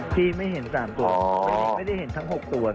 ที่ไม่เห็น๓ตัวไม่ได้เห็นทั้ง๖ตัว